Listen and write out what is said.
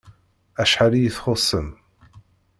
Acḥal iyi-txuṣṣem!